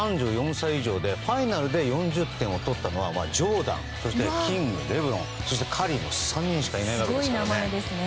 ３４歳以上でファイナルで４０点以上取ったのはジョーダンそしてキング、レブロンそしてカリーの３人しかいないですからね。